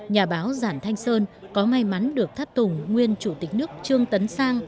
nhà báo giản thanh sơn có may mắn được thắt tùng nguyên chủ tịch nước trương tấn sang